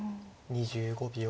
２５秒。